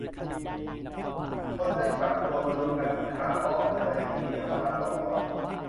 คนได้กลับมารวมตัวกันอีกครั้งพร้อมเรื่องในอดีตที่ยังตามหลอกหลอน